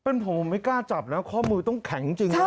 โอ้โฮไม่กล้าจับนะข้อมือต้องแข็งจริงค่ะ